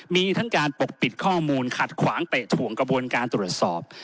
มีทั้งการปกปิดข้อมูลขัดขวางเตะถ่วงกระบวนการตรวจสอบ